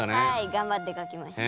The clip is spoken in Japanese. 頑張って描きました。